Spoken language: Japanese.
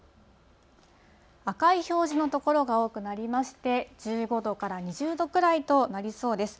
赤い表示の所が多くなりまして、１５度から２０度くらいとなりそうです。